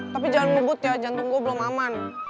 tapi jangan ngebut ya jantung gue belum aman